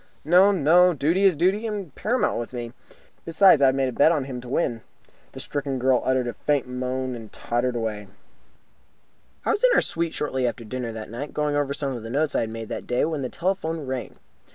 "No, no. Duty is duty, and paramount with me. Besides, I have a bet on him to win." The stricken girl uttered a faint moan, and tottered away. I was in our suite shortly after dinner that night, going over some of the notes I had made that day, when the telephone rang.